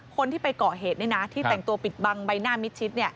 คนที่ไปก่อเหตุที่แต่งตัวปิดบังใบหน้ามิดชิด